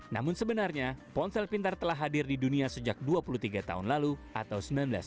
namun sebenarnya ponsel pintar telah hadir di dunia sejak dua puluh tiga tahun lalu atau seribu sembilan ratus sembilan puluh